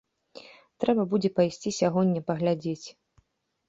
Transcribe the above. Трэба будзе пайсці сягоння паглядзець.